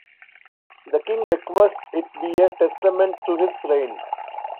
The king requests it be a "testament" to his reign.